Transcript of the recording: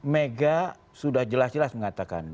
mega sudah jelas jelas mengatakan